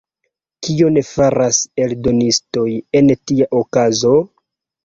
Kion faras eldonistoj en tia okazo?